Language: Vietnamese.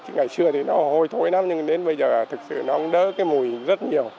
chứ ngày xưa thì nó hồi thối lắm nhưng đến bây giờ thực sự nó cũng đỡ cái mùi rất nhiều